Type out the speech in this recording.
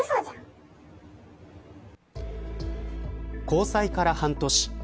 交際から半年。